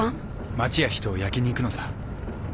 町や人を焼きに行くのさ。敵？